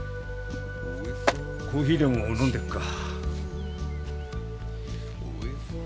コーヒーでも飲んでくか？